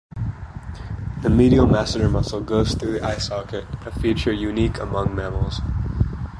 The medial masseter muscle goes through the eye socket, a feature unique among mammals.